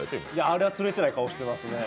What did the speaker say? あれは釣れてない顔してますね。